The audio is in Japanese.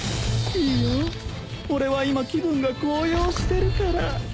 俺は今気分が高揚してるから。